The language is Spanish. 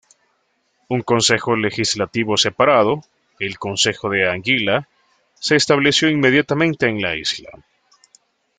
Un consejo legislativo separado, el Consejo de Anguila, se estableció inmediatamente en la isla.